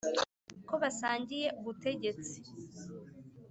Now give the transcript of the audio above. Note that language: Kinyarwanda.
ko basangiye ubutegetsi.